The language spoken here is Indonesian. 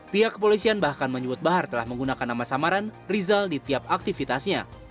pihak kepolisian bahkan menyebut bahar telah menggunakan nama samaran rizal di tiap aktivitasnya